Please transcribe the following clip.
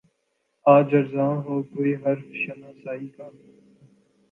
آج ارزاں ہو کوئی حرف شناسائی کا